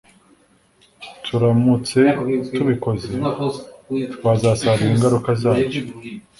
turamutse tubikoze, twazasarura ingaruka zabyo